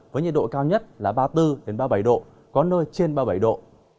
với nhiệt độ cao nhất là ba mươi bốn ba mươi bảy độ có nơi trên ba mươi bảy độ